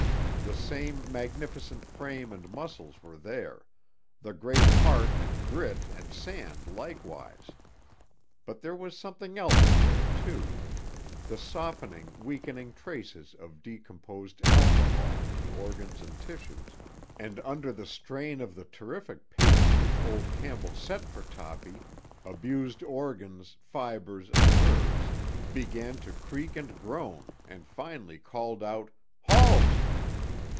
The same magnificent frame and muscles were there; the great heart and grit and sand likewise. But there was something else there, too; the softening, weakening traces of decomposed alcohol in organs and tissues, and under the strain of the terrific pace which old Campbell set for Toppy, abused organs, fibres and nerves began to creak and groan, and finally called out, "Halt!"